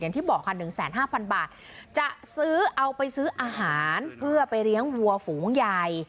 อย่างที่บอกค่ะ๑๕๐๐บาทจะซื้อเอาไปซื้ออาหารเพื่อไปเลี้ยงวัวฝูงใหญ่